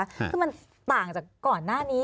คือมันต่างจากก่อนหน้านี้